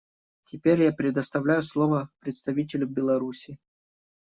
Теперь я предоставляю слово представителю Беларуси.